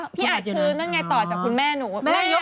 มันง่ายต่อคุณแม่หนู